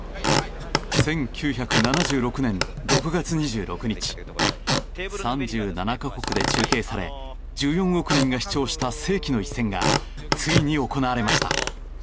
１９７６年６月２６日３７か国で中継され１４億人が視聴した世紀の一戦がついに行われました。